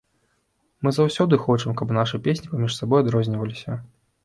Мы заўсёды хочам, каб нашы песні паміж сабой адрозніваліся.